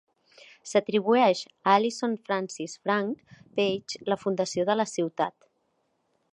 S'atribueix a Allison Francis "Frank" Page la fundació de la ciutat.